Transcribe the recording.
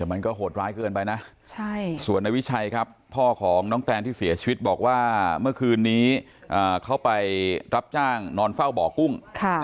แต่มันก็โหดร้ายเกินไปนะส่วนในวิชัยครับพ่อของน้องแตนที่เสียชีวิตบอกว่าเมื่อคืนนี้เขาไปรับจ้างนอนเฝ้าบ่อกุ้ง